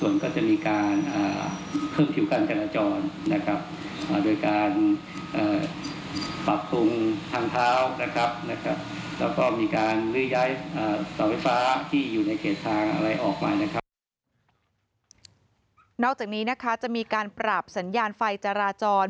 นอกจากนี้นะคะจะมีการปรับสัญญาณไฟจราจร